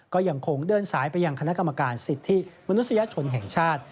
ก็ยังคงเดินสายไปยังคณะกรรมการสิทธิมนุษยชนแห่งชาติ